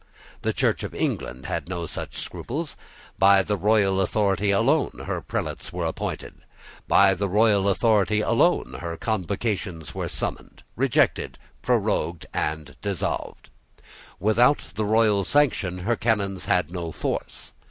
The Church of England had no such scruples. By the royal authority alone her prelates were appointed. By the royal authority alone her Convocations were summoned, regulated, prorogued, and dissolved. Without the royal sanction her canons had no force.